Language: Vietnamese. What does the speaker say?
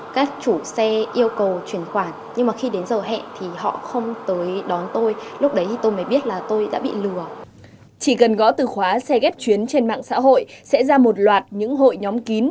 chỉ cần gõ từ khóa xe ghép chuyến trên mạng xã hội sẽ ra một loạt những hội nhóm kín